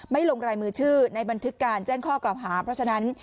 ลงรายมือชื่อในบันทึกการแจ้งข้อกล่าวหาเพราะฉะนั้น